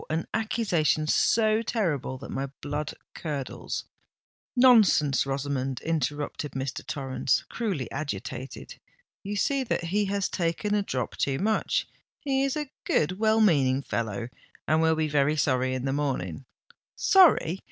an accusation so terrible that my blood curdles——" "Nonsense, Rosamond!" interrupted Mr. Torrens, cruelly agitated: "you see that he has taken a drop too much—he is a good well meaning fellow—and will be very sorry in the morning——" "Sorry!